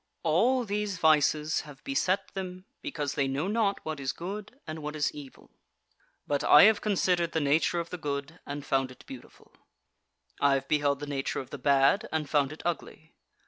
All these vices have beset them, because they know not what is good and what is evil. But I have considered the nature of the good, and found it beautiful: I have beheld the nature of the bad, and found it ugly.